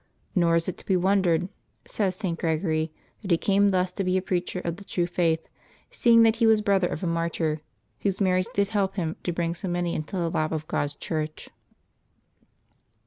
" Nor is it to be wondered," says St. Gregory, " that he came thus to be a preacher of the true faith, seeing that he was brother of a martyr, whose merits did help him to bring so many into the lap of God's Church."